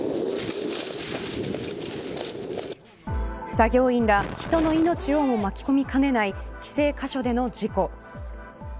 作業員ら人の命をも巻き込みかねない規制箇所での事故。